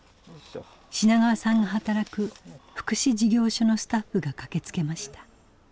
品川さんが働く福祉事業所のスタッフが駆けつけました。